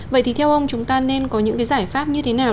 vậy thì theo ông chúng ta nên có những cái giải pháp như thế nào